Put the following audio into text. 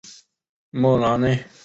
莫拉内。